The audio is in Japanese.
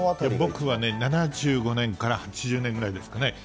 僕は７５年から８０年ぐらいですかね。